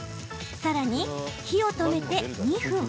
さらに火を止めて２分。